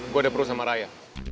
gue ada pro sama raya